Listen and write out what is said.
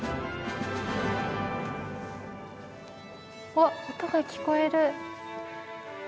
わっ音が聞こえる。